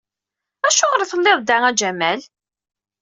Acuɣer i telliḍ da a Jamal?